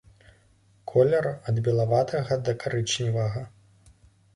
Колер ад белаватага да карычневага.